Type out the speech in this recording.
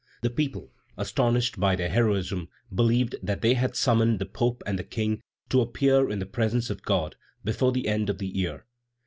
The people, astonished by their heroism, believed that they had summoned the Pope and the King to appear in the presence of God before the end of the year.